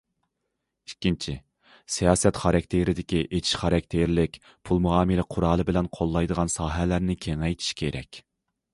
ئىككىنچى، سىياسەت خاراكتېرىدىكى ئېچىش خاراكتېرلىك پۇل مۇئامىلە قورالى بىلەن قوللايدىغان ساھەلەرنى كېڭەيتىش كېرەك.